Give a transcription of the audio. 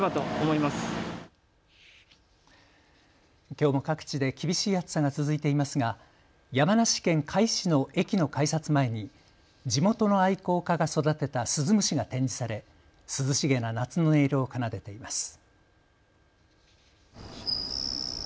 きょうも各地で厳しい暑さが続いていますが山梨県甲斐市の駅の改札前に地元の愛好家が育てたスズムシが展示され、涼しげな夏の音色を奏でています。